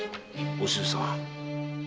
お静さん。